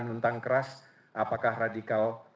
menentang keras apakah radikal